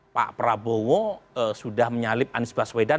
pak prabowo sudah menyalip anies baswedan